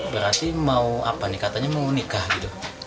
berarti mau apa nih katanya mau nikah gitu